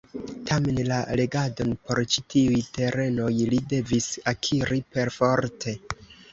Tamen la regadon por ĉi tiuj terenoj li devis akiri perforte.